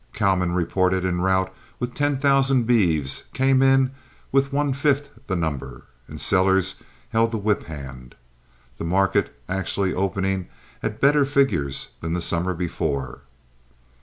Cowmen reported en route with ten thousand beeves came in with one fifth the number, and sellers held the whip hand, the market actually opening at better figures than the summer before.